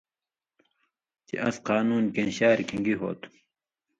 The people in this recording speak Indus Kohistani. چے اَس قانُون کیں شار کھیں گی ہو تُھو؟